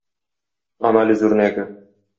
Анализ үрнәге: